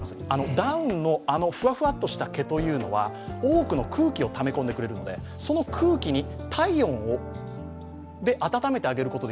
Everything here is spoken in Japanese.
ダウンのふわふわっとした毛というのは、多くの空気をため込んでくれるので、その空気を体温で温めることで